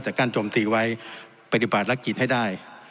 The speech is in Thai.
แต่กั้นจมตีไว้ปฏิบัติและกิจให้ได้